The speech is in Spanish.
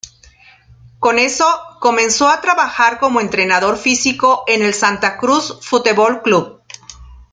Con eso, comenzó a trabajar como Entrenador Físico, en el Santa Cruz Futebol Clube.